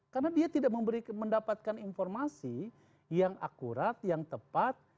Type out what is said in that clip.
karena dia tidak mendapatkan informasi yang akurat yang tepat